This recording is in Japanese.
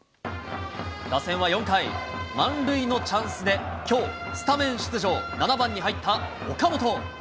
打線は４回、満塁のチャンスできょう、スタメン出場、７番に入った岡本。